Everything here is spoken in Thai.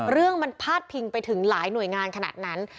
เรื่องมันพาดพิงไปถึงหลายหน่วยงานขนาดนั้น